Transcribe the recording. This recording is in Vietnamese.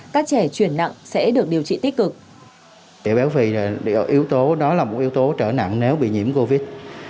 các trẻ chuyển nặng sẽ được điều trị tích cực